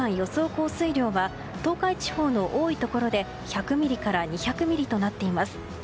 降水量は東海地方の多いところで１００ミリから２００ミリとなっています。